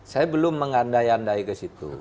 saya belum mengandai andai ke situ